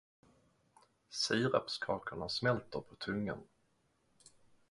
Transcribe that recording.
Sirapskakorna smälter på tungan.